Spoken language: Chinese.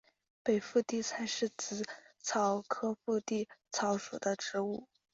北附地菜是紫草科附地菜属的植物。